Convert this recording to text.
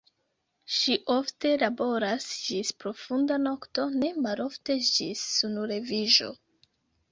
Ŝi ofte laboras ĝis profunda nokto, ne malofte ĝis sunleviĝo.